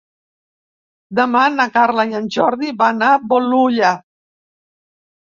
Demà na Carla i en Jordi van a Bolulla.